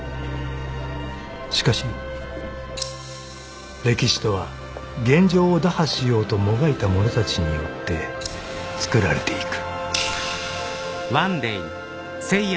［しかし歴史とは現状を打破しようともがいた者たちによってつくられていく］